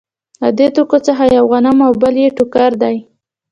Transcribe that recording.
له دې توکو څخه یو غنم او بل یې ټوکر دی